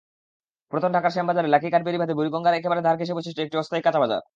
পুরান ঢাকার শ্যামবাজারে লাকিঘাট বেড়িবাঁধে বুড়িগঙ্গার একেবারে ধার ঘেঁষে বসেছে একটি অস্থায়ী কাঁচাবাজার।